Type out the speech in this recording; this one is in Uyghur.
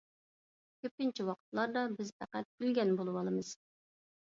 كۆپىنچە ۋاقىتلاردا بىز پەقەت كۈلگەن بولىۋالىمىز